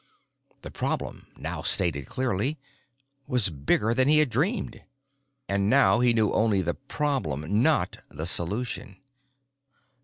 The problem, now stated clearly, was bigger than he had dreamed. And now he knew only the problem—not the solution.